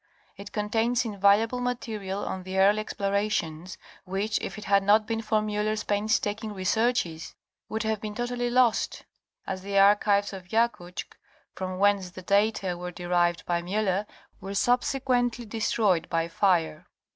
It contains invaluable material on the early explorations, which, if it had not been for Miuller's painstaking researches, would have been totally lost, as the archives of Yakutsk from whence the data were derived by Miller were subsequently destroyed by fire.